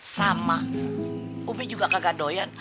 sama umi juga kagak doyan